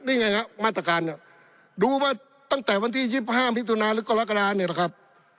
นี่ไงครับมาตรการเนี่ยดูว่าตั้งแต่วันที่๒๕มิถุนาหรือกรกฎาเนี่ยนะครับ